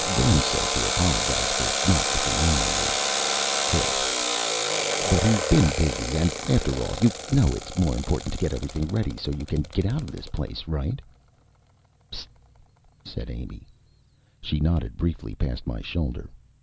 Vern says to apologize for not looking in on you " hiss "but he's been busy. And after all, you know it's more important to get everything ready so you can get out of this place, right?" "Psst," said Amy. She nodded briefly past my shoulder.